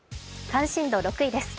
関心度６位です。